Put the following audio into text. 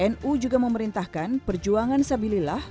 nu juga memerintahkan perjuangan sabilillah